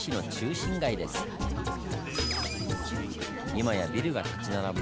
今やビルが立ち並ぶ